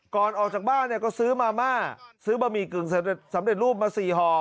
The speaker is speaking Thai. ก่อนออกจากบ้านเนี่ยก็ซื้อมาม่าซื้อบะหมี่กึ่งสำเร็จรูปมา๔ห่อ